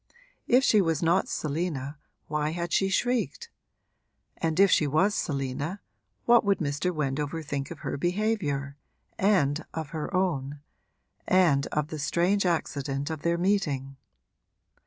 If she was not Selina why had she shrieked? and if she was Selina what would Mr. Wendover think of her behaviour, and of her own, and of the strange accident of their meeting?